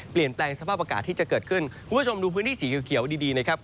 เปลี่ยนแปลงสภาพอากาศที่จะเกิดขึ้นคุณผู้ชมดูพื้นที่สีเขียวดีดีนะครับ